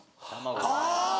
あぁ！